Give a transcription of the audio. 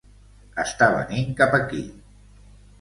Està venint cap aquí.